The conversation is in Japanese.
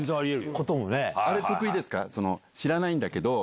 あれ得意ですか？